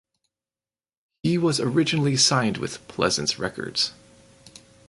He was originally signed with "Pleasance Records".